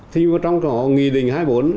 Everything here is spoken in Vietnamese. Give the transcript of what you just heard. thì trong trò nghi định hai mươi bốn